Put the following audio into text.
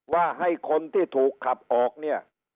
ว่าให้คนที่ถูกขับออกเนี่ย